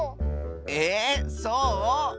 えそう？